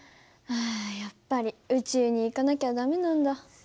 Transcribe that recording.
あやっぱり宇宙に行かなきゃ駄目なんだ。